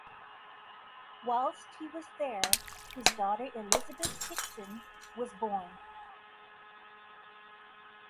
Whilst he was there his daughter Elizabeth Dickson was born.